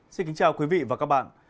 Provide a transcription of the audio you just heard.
xin kính chào quý vị và các bạn